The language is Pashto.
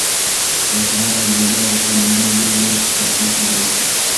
باید له هر ډول روغبړ او غېږ نیولو څخه په کلکه ډډه وشي.